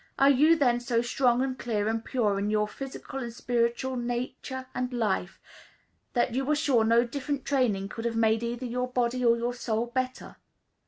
Are you then so strong and clear and pure in your physical and spiritual nature and life, that you are sure no different training could have made either your body or your soul better?